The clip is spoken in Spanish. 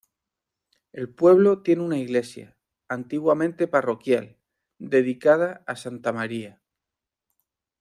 El pueblo tiene una iglesia, antiguamente parroquial, dedicada a santa María.